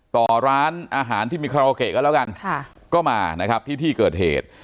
ต่อร้านอาหารที่มีคาราโอเกะก็แล้วกันค่ะก็มานะครับที่ที่เกิดเหตุ